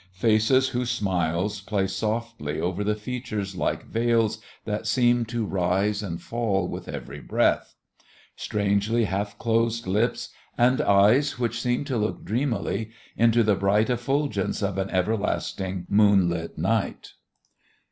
Faces whose smiles play softly over the features like veils that seem to rise and fall with every breath; strangely half closed lips and eyes which seem to look dreamily into the bright effulgence of an everlasting moonlit night.